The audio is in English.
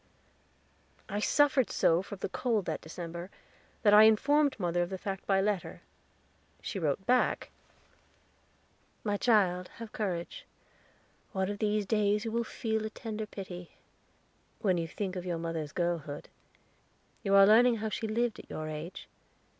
I suffered so from the cold that December that I informed mother of the fact by letter. She wrote back: "My child, have courage. One of these days you will feel a tender pity, when you think of your mother's girlhood. You are learning how she lived at your age.